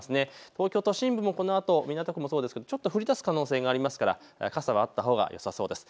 東京都心部もこのあと港区もそうですが降りだす可能性があるので傘はあったほうがよさそうです。